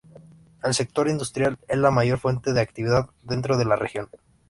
El sector industrial es la mayor fuente de actividad dentro de la región.